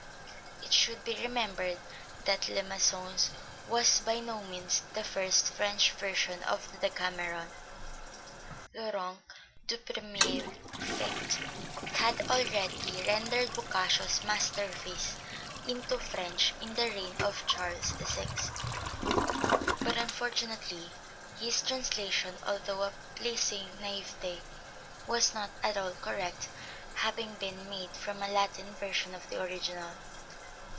It should be remembered that Le Maçon's was by no means the first French version of the Decameron. Laurent du Premier Faict had already rendered Boccaccio's masterpiece into French in the reign of Charles VI., but unfortunately his translation, although of a pleasing naïveté, was not at all correct, having been made from a Latin version of the original.